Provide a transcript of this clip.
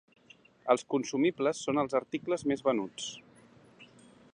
Els consumibles són els articles més venuts.